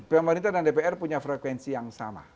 pemerintah dan dpr punya frekuensi yang sama